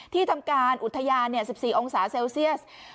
ทำการอุทยาน๑๔องศาเซลเซียส